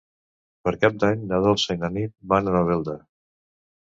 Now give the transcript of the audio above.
Per Cap d'Any na Dolça i na Nit van a Novelda.